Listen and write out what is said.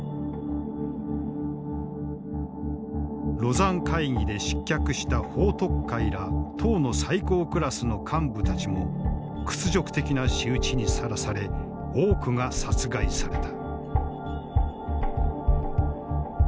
廬山会議で失脚した彭徳懐ら党の最高クラスの幹部たちも屈辱的な仕打ちにさらされ多くが殺害された。